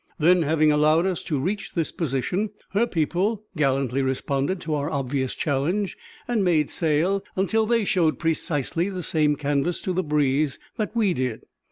Then, having allowed us to reach this position, her people gallantly responded to our obvious challenge, and made sail until they showed precisely the same canvas to the breeze that we did.